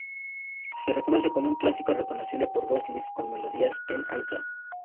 Se reconoce como un clásico reconocible por Westlife con melodías en alza.